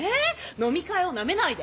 飲み会をなめないで。